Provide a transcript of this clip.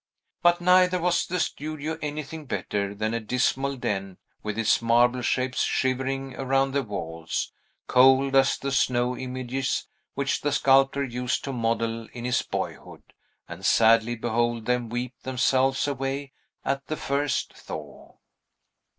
But neither was the studio anything better than a dismal den, with its marble shapes shivering around the walls, cold as the snow images which the sculptor used to model in his boyhood, and sadly behold them weep themselves away at the first thaw.